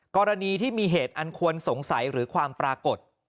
กรณีที่มีเหตุอันควรสงสัยหรือความปรากฏ